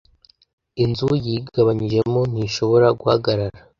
Inzu yigabanyijemo ntishobora guhagarara.